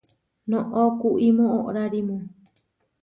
Noʼó kuimó oʼrárimu.